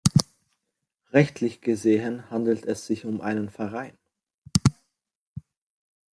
Rechtlich gesehen handelt es sich um einen Verein.